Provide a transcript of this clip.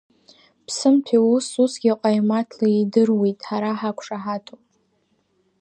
Ԥсымҭә иус усгьы ҟаимаҭла идыруеит, ҳара ҳақәшаҳаҭуп.